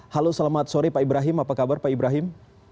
halo selamat sore pak ibrahim apa kabar pak ibrahim